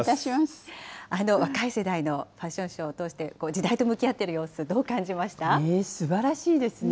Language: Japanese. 若い世代のファッションショーを通して、時代と向き合っていすばらしいですね。